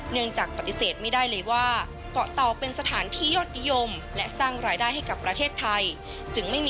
เนื่องจากปฏิเสธไม่ได้เลยว่าเกาะเตาเป็นสถานที่ยอดนิยมและสร้างรายได้ให้กับประเทศไทยจึงไม่มี